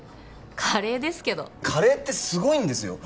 カレーですけどカレーってすごいんですよ